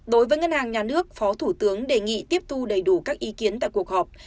đối với ngân hàng nhà nước phó thủ tướng đề nghị tiếp thu đầy đủ các ý kiến tại cuộc họp